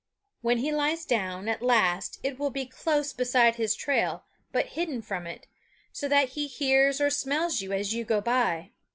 When he lies down, at last, it will be close beside his trail, but hidden from it; so that he hears or smells you as you go by.